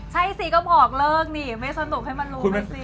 ใช่สิก็บอกเลิกนี่ไม่สนุกให้มันรู้กันสิ